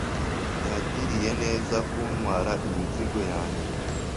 Yangiriye neza kuntwara imizigo yanjye.